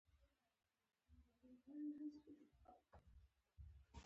دوکان مې ځکه له لاسه لاړ.